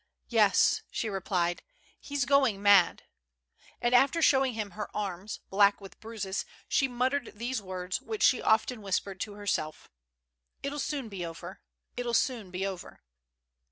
"Yes," she replied ; "he's going mad." And after showing him her arms, black with bruises, she muttered these words, which she often whispered to herself: "It'll soon be over, it'll soon be over.